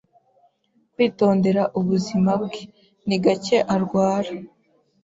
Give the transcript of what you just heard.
Kwitondera ubuzima bwe, ni gake arwara.